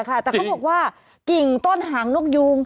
แต่เขาบอกว่ากิ่งต้นหางนกยูง